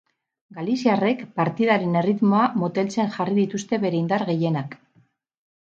Galiziarrek partidaren erritmoa moteltzen jarri dituzte bere indar gehienak.